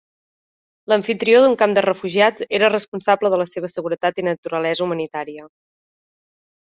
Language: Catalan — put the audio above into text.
L'amfitrió d'un camp de refugiats era responsable de la seva seguretat i naturalesa humanitària.